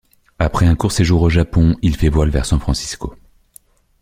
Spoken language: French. Après un court séjour au Japon, il fait voile vers San Francisco.